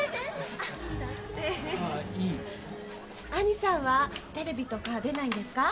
・兄さんはテレビとか出ないんですか？